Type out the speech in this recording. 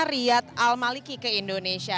riyad al maliki ke indonesia